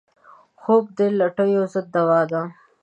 خوب د لټیو ضد دوا ده